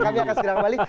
kami akan segera kembali